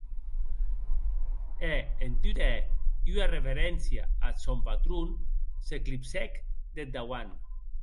E en tot hèr ua reveréncia ath sòn patron, s'esclipsèc deth dauant.